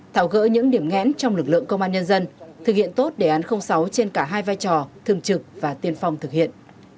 thảo gỡ những điểm ngẽn trong lực lượng công an nhân dân thực hiện tốt đề án sáu trên cả hai vai trò thường trực và tiên phong thực hiện